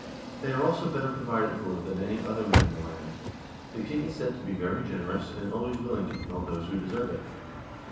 They are also better provided for than any other men in the land. The king is said to be very gener ous, and always willing to promote those who deserve it.